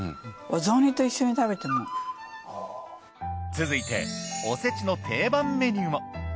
続いておせちの定番メニューも。